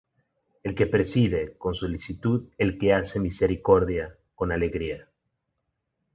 el que preside, con solicitud; el que hace misericordia, con alegría.